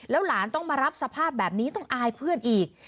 หลานต้องมารับสภาพแบบนี้ต้องอายเพื่อนอีก